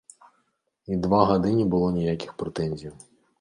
І два гады не было ніякіх прэтэнзіяў.